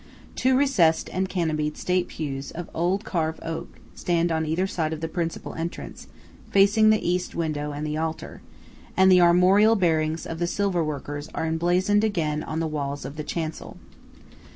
Two recessed and canopied state pews of old carved oak stand on either side of the principal entrance, facing the East window and the altar; and the armorial bearings of the silver workers are emblazoned again on the walls of the chancel.